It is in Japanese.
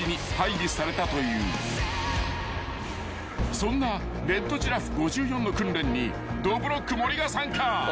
［そんなレッドジラフ５４の訓練にどぶろっく森が参加］